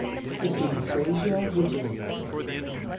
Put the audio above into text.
Sister Euphrasia Wittenanes.